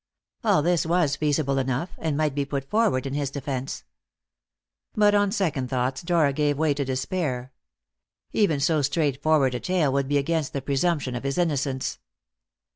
All this was feasible enough, and might be put forward in his defence. But on second thoughts Dora gave way to despair. Even so straightforward a tale would be against the presumption of his innocence.